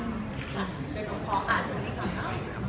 ค่ะไปลงพออาทิตย์นี่ก่อนนะ